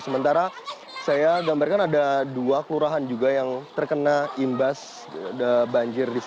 sementara saya gambarkan ada dua kelurahan juga yang terkena imbas banjir